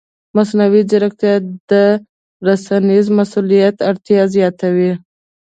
مصنوعي ځیرکتیا د رسنیز مسؤلیت اړتیا زیاتوي.